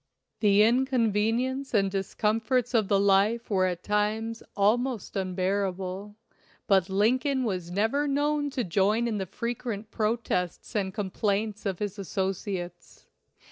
The inconvenience and discomforts of the life were at times almost unbearable, but Lincoln was never known to join in the frequent protests and complaints of his associates.